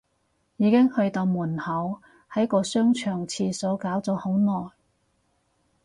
已經去到門口，喺個商場廁所搞咗好耐